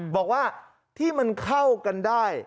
บอกว่าที่มันเข้ากันได้